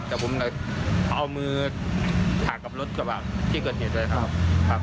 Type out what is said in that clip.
แต่ผมเอามือถ่ากับรถกระบาดที่เกิดเหนือใจครับ